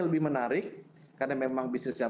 lebih menarik karena memang bisnis yang